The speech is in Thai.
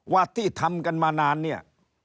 ว่าที่ทำกันมานานเนี่ย